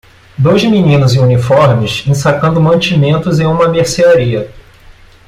Dois meninos em uniformes ensacando mantimentos em uma mercearia.